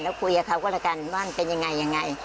แล้วคุยกับเขาก็แล้วกันว่ามันเป็นยังไงยังไง